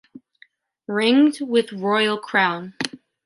Ringed with royal crown.